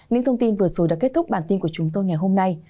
những thông tin vừa rồi đã kết thúc bản tin của chúng tôi ngày hôm nay